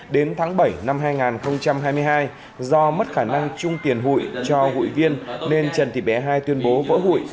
đến tháng bảy năm hai nghìn hai mươi hai do mất khả năng chung tiền hội cho hội viên nên trần tị bé hai tuyên bố vỡ hội